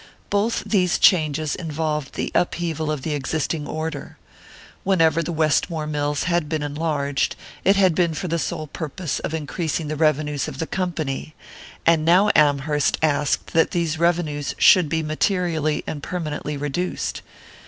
Both these changes involved the upheaval of the existing order. Whenever the Westmore mills had been enlarged, it had been for the sole purpose of increasing the revenues of the company; and now Amherst asked that these revenues should be materially and permanently reduced.